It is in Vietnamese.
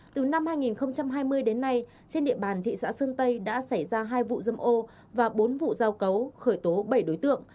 từ năm hai nghìn hai mươi đến nay trên địa bàn thị xã sơn tây đã xảy ra hai vụ dâm ô và bốn vụ giao cấu khởi tố bảy đối tượng